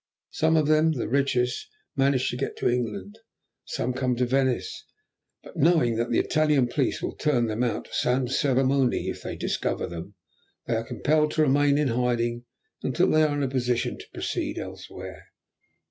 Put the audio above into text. Some of them, the richest, manage to get to England, some come to Venice, but knowing that the Italian police will turn them out sans cérémonie if they discover them, they are compelled to remain in hiding until they are in a position to proceed elsewhere."